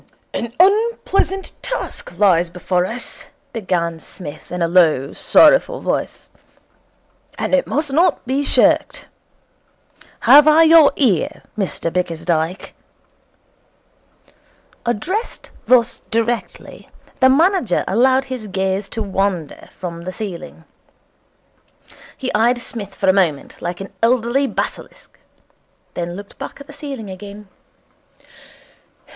'An unpleasant task lies before us,' began Psmith in a low, sorrowful voice, 'and it must not be shirked. Have I your ear, Mr Bickersdyke?' Addressed thus directly, the manager allowed his gaze to wander from the ceiling. He eyed Psmith for a moment like an elderly basilisk, then looked back at the ceiling again.